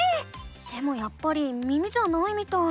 でもやっぱり耳じゃないみたい。